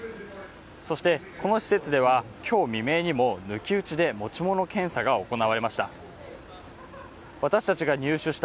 そしてこの施設には今日未明にも抜き打ちで持ち物検査が行われました。